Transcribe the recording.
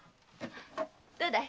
どうだい？